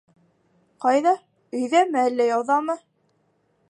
— Ҡайҙа: өйҙәме, әллә яуҙамы?